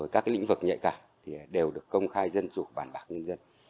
các lĩnh vực nhạy cảm đều được công khai dân chủ bản bạc nhân dân